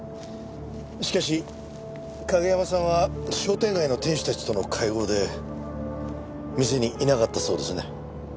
しかし景山さんは商店街の店主たちとの会合で店にいなかったそうですね。